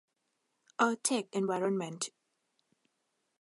เอิร์ธ เท็ค เอนไวรอนเมนท์